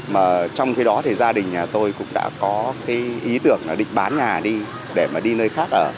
mà trong khi đó thì gia đình nhà tôi cũng đã có cái ý tưởng là định bán nhà đi để mà đi nơi khác ở